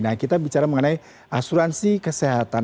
nah kita bicara mengenai asuransi kesehatan